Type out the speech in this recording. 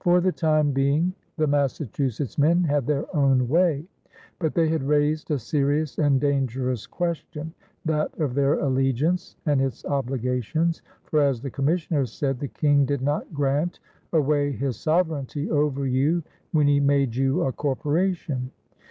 For the time being, the Massachusetts men had their own way; but they had raised a serious and dangerous question, that of their allegiance and its obligations, for, as the commissioners said, "The King did not grant away his soveraigntie over you when he made you a corporation.